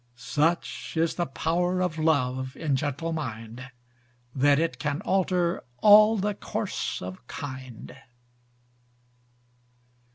Such is the power of love in gentle mind, That it can alter all the course of kind.